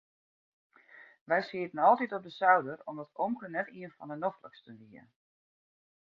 We sieten altyd op de souder omdat omke net ien fan de nofliksten wie.